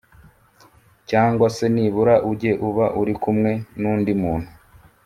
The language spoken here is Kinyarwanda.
Cyangwa se nibura ujye uba uri kumwe n undi muntu